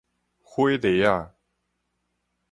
火犁仔